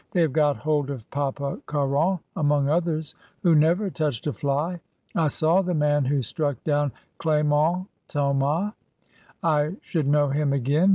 "They have got hold of Papa Caron among others who never touched a fly. I saw the man who struck down Clement Thomas. I should know him again.